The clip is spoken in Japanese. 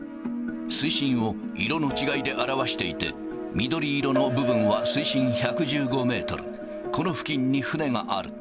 水深を色の違いで表していて、緑色の部分は水深１１５メートル、この付近に船がある。